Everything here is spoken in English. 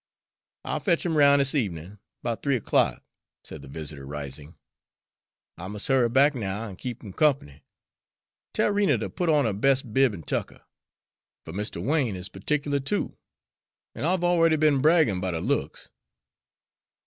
"I'll fetch him roun' this evenin' 'bout three o'clock," said the visitor, rising. "I mus' hurry back now an' keep him comp'ny. Tell Rena ter put on her bes' bib an' tucker; for Mr. Wain is pertic'lar too, an' I've already be'n braggin' 'bout her looks."